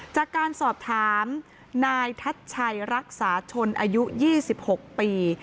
จากการสอบถามนายทัชชัยรักษาชนอายุ๒๖ปี